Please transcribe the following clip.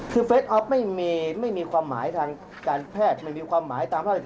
คือเฟสออฟไม่มีความหมายทางการแพทย์ไม่มีความหมายตามภาษา